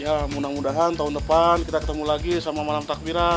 ya mudah mudahan tahun depan kita ketemu lagi sama malam takbiran